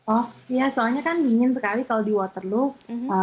oh ya soalnya kan dingin sekali kalau di waterloo